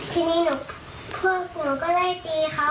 ทีนี้หนูก็เลยตีเขา